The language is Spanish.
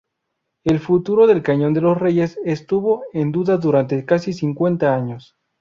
El futuro del Cañón de los Reyes estuvo en duda durante casi cincuenta años.